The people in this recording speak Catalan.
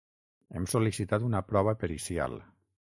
Hem sol·licitat una prova pericial.